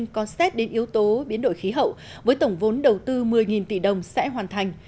có xét đến yếu tố biến đổi khí hậu với tổng vốn đầu tư một mươi tỷ đồng sẽ hoàn thành